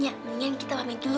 ya mendingan kita pamit dulu